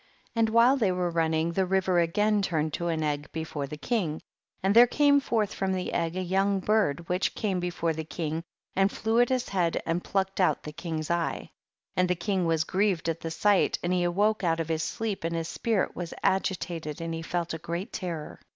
49. And while they were running, the river again turned to an egg be fore the king, and there came forth from the egg a young bird which came before the king, and flew at his head and plucked out the king's eye. 50. And the king was grieved at the sight, and he awoke out of his sleep and his spirit was agitated, and he felt a great terror.